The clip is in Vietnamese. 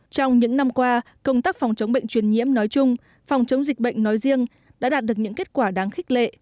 trong những năm qua công tác phòng chống bệnh truyền nhiễm nói chung phòng chống dịch bệnh nói riêng đã đạt được những kết quả đáng khích lệ